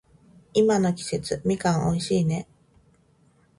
今の季節、みかん美味しいね。